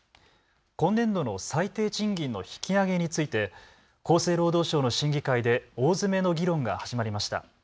今年度の最低賃金の引き上げについて厚生労働省の審議会で大詰めの議論が始まりました。